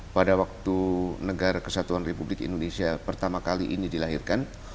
pada waktu negara kesatuan republik indonesia pertama kali ini dilahirkan